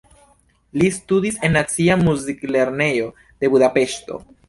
Li studis en Nacia Muziklernejo de Budapeŝto.